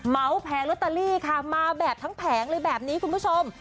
เหมาแผงลอตเตอรี่ค่ะมาแบบทั้งแผงเลยแบบนี้คุณผู้ชม